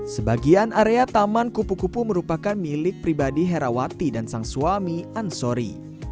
sebagian area taman kupu kupu merupakan milik pribadi herawati dan sang suami ansori